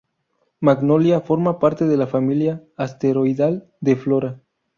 Magnolia forma parte de la familia asteroidal de Flora.